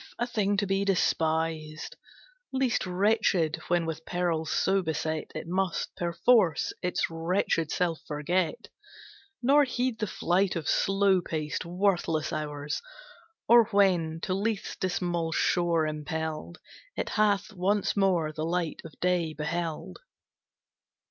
A thing to be despised: Least wretched, when with perils so beset, It must, perforce, its wretched self forget, Nor heed the flight of slow paced, worthless hours; Or, when, to Lethe's dismal shore impelled, It hath once more the light of day beheld.